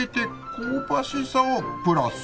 「香ばしさをプラス」